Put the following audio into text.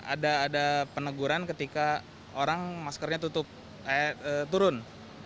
ada peneguran ketika orang maskernya turun